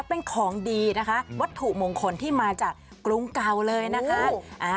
เป็นของดีนะคะวัตถุมงคลที่มาจากกรุงเก่าเลยนะคะ